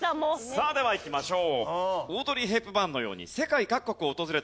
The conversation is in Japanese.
さあではいきましょう。